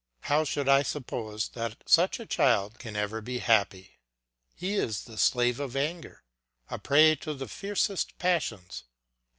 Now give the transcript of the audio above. How should I suppose that such a child can ever be happy? He is the slave of anger, a prey to the fiercest passions.